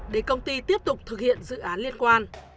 để công ty tiếp tục thực hiện dự án liên quan